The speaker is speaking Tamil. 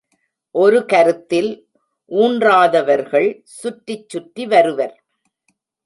ஒரு கருத்தில் ஊன்றாதவர்கள் சுற்றிச் சுற்றி வருவர்.